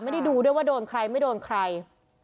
ดูด้วยว่าโดนใครไม่โดนใคร